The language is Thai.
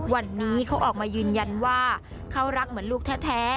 วันนี้เขาออกมายืนยันว่าเขารักเหมือนลูกแท้